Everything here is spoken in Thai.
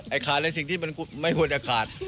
ขาดอะไรสิ่งที่มันไม่ควรจะขาด